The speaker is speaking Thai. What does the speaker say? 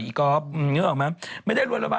อีก๊อฟนึกออกไหมไม่ได้รวยล้นฟ้า